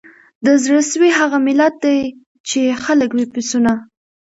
د زړه سوي هغه ملت دی چي یې خلک وي پسونه